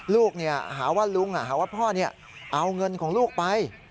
ลูกหาว่าลุงหาว่าพ่อเอาเงินของลูกไป